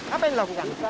apa yang dilakukan